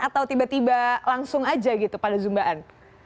atau tiba tiba langsung aja gitu pada zumbaan